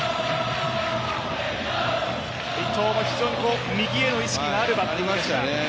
伊藤も右への意識があるバッティングでした。